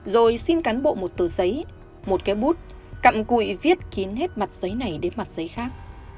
rồi xin cán bộ một từ giấy một cái bút cặm cụi viết kín hết mặt giấy này đến mặt giấy khác